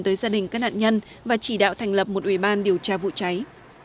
tới gia đình các nạn nhân và chỉ đạo thành lập một ủy ban điều tra vụ cháy